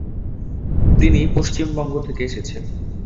তিনি পশ্চিমবঙ্গ থেকে এসেছেন।